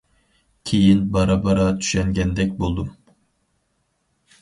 كېيىن بارا- بارا چۈشەنگەندەك بولدۇم.